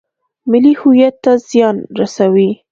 ملي هویت ته زیان رسوي.